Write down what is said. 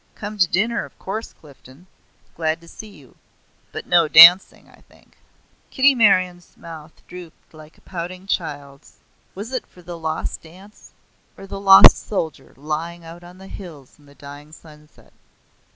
Come to dinner of course, Clifden. Glad to see you. But no dancing, I think." Kitty Meryon's mouth drooped like a pouting child's. Was it for the lost dance, or the lost soldier lying out on the hills in the dying sunset.